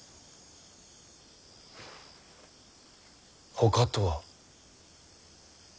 ほかとは？